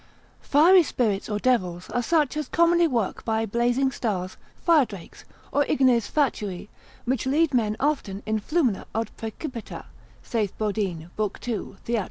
Fiery spirits or devils are such as commonly work by blazing stars, fire drakes, or ignes fatui; which lead men often in flumina aut praecipitia, saith Bodine, lib. 2. Theat.